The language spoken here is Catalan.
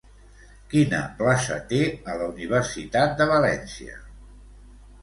Quina plaça té a la Universitat de València?